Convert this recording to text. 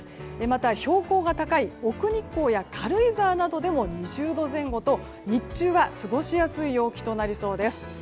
また、標高が高い奥日光や軽井沢などでも２０度前後と、日中は過ごしやすい陽気となりそうです。